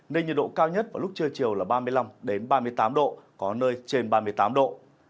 nên nhiệt độ cao nhất vào lúc trưa chiều là ba mươi năm ba mươi tám độ có nơi trên ba mươi tám độ